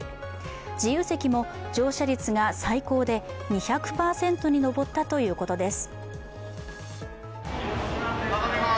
自由席も乗車率が最高で２００％に上ったということです。